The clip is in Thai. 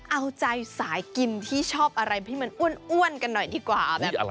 เอาใจสายกินที่ชอบอะไรที่มันอ้วนกันหน่อยดีกว่า